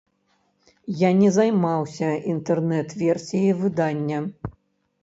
Я не займаўся інтэрнэт-версіяй выдання.